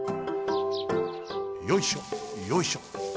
よいしょよいしょ。